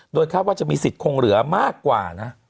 โดยคาดว่าจะมีสิทธิ์คงเหลือมากกว่านะ